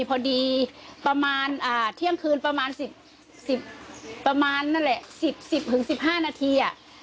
พอดีเที่ยงคืน๑๐๑๕นาที